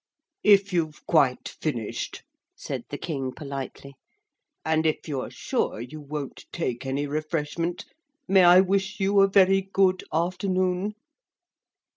'If you've quite finished,' said the King politely, 'and if you're sure you won't take any refreshment, may I wish you a very good afternoon?'